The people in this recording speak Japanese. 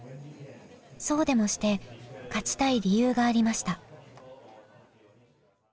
そうでもして勝ちたい理由がありました。